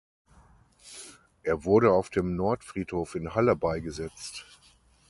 Er wurde auf dem Nordfriedhof in Halle beigesetzt.